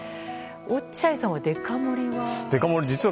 落合さんはデカ盛りは？